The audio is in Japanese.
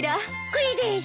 これです。